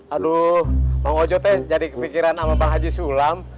aduh mak ojo teh jadi kepikiran sama mbak haji sulam